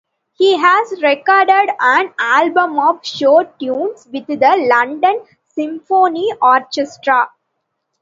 He has recorded an album of show tunes with the London Symphony Orchestra.